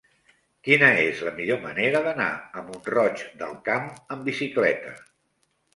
Quina és la millor manera d'anar a Mont-roig del Camp amb bicicleta?